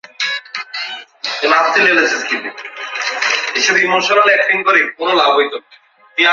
বিভা, তুই আসিয়াছিস?